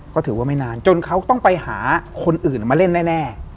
ก็ถือว่าไม่นานจนเขาต้องไปหาคนอื่นมาเล่นแน่